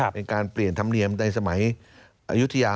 เป็นการเปลี่ยนธรรมเนียมในสมัยอายุทยา